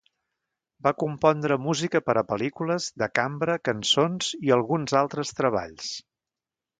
Va compondre música per a pel·lícules, de cambra, cançons i alguns altres treballs.